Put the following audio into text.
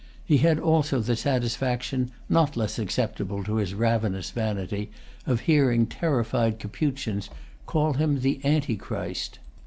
He had also the satisfaction, not less acceptable to his ravenous vanity, of hearing terrified Capuchins call him the Anti christ.